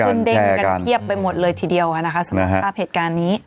เด้งกันเพียบไปหมดเลยทีเดียวนะคะสำหรับภาพเหตุการณ์นี้